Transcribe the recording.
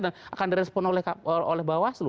dan akan direspon oleh bawaslu